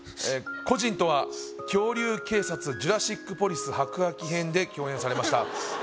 故人とは「恐竜警察ジュラシックポリス白亜紀編」で共演されました